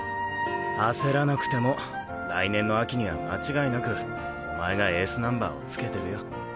焦らなくても来年の秋には間違いなくお前がエースナンバーをつけてるよ。